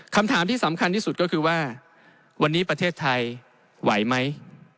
คำถามที่สำคัญที่สุดก็คือว่าวันนี้ประเทศไทยไหวไหม